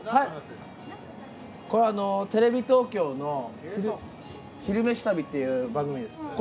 これテレビ東京の「昼めし旅」っていう番組です。